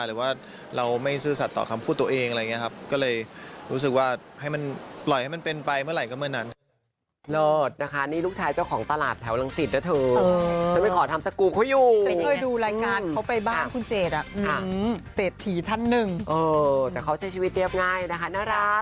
หรือว่าเราไม่ซื่อสัตว์ต่อคำพูดตัวเองอะไรอย่างนี้ครับก็เลยรู้สึกว่าให้มันปล่อยให้มันเป็นไปเมื่อไหร่ก็เมื่อนั้น